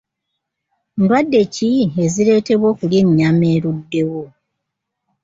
Ndwadde ki ezireetebwa okulya ennyama eruddewo?